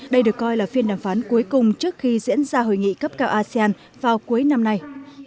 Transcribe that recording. đây được coi là phiên đàm phán cuối cùng trước khi diễn ra hội nghị cấp cao asean vào cuối năm nay